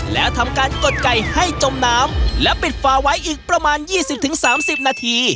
แล้วทำการกดไก่ให้จมน้ำแล้วปิดฝาไว้อีกประมาณยี่สิบถึงสามสิบนาที